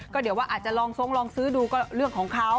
ก็เดี๋ยวว่าอาจจะลองทรงลองซื้อดูก็เรื่องของเขา